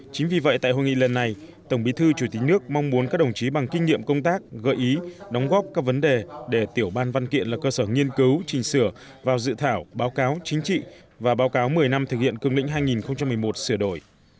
chính vì vậy tại hội nghị lần này tổng bí thư chủ tịch nước mong muốn các đồng chí bằng kinh nghiệm công tác gợi ý đóng góp các vấn đề để tiểu ban văn kiện là cơ sở nghiên cứu trình sửa vào dự thảo báo cáo chính trị và báo cáo một mươi năm thực hiện cương lĩnh hai nghìn một mươi một sửa đổi